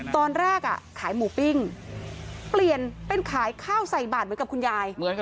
ตอนแรกขายหมูปิ้งเปลี่ยนเป็นขายข้าวใส่บาทเหมือนกับคุณยาย